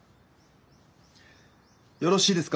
よろしいですか？